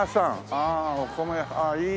ああお米いい。